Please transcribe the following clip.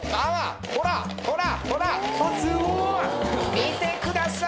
見てください。